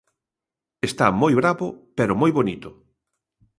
Está moi bravo, pero moi bonito.